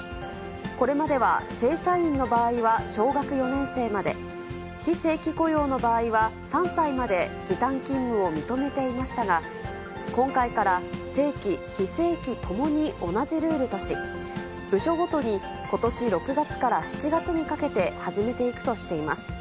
これまでは正社員の場合は小学４年生まで、非正規雇用の場合は３歳まで時短勤務を認めていましたが、今回から正規、非正規ともに同じルールとし、部署ごとにことし６月から７月にかけて、始めていくとしています。